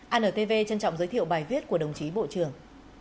antv trân trọng giới thiệu bài viết của đồng chí bộ trưởng